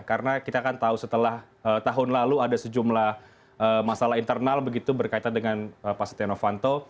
karena kita kan tahu setelah tahun lalu ada sejumlah masalah internal begitu berkaitan dengan pak setia novanto